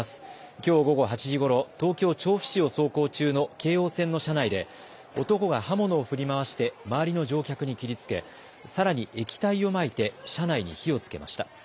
きょう午後８時ごろ、東京調布市を走行中の京王線の車内で男が刃物を振り回して周りの乗客に切りつけさらに液体をまいて車内に火をつけました。